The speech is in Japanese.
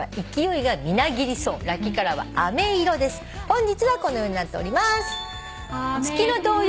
本日はこのようになっております。